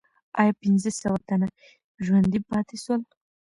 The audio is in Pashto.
آیا پنځه سوه تنه ژوندي پاتې سول؟